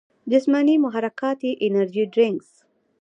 جسماني محرکات ئې انرجي ډرنکس ،